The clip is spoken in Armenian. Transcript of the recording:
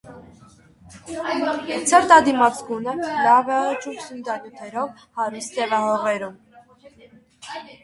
Ցրտադիմացկուն է, լավ է աճում սննդանյութերով հարուստ սևահողերում։